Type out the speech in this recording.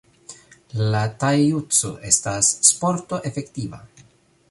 La Tai-Jutsu estas sporto efektiva.